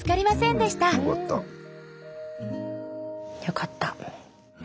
よかった！